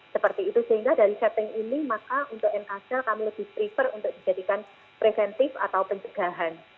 seperti itu sehingga dari setting ini maka untuk nkc kami lebih prefer untuk dijadikan preventif atau pencegahan